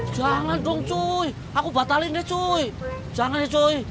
jangan dong cuy aku batalin deh cuy jangan deh cuy